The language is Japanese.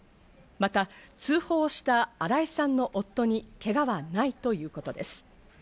また通報した新井さんの夫に、けがはないということです。